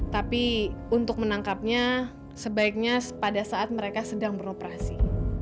tapi untuk menangkapnya sebaiknya pada saat mereka sedang beroperasi